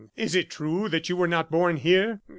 "Is it true that you were not born here?